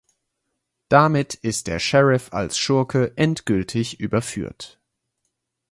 Damit ist der Sheriff als Schurke endgültig überführt.